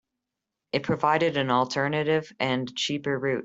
It provided an alternative and cheaper route.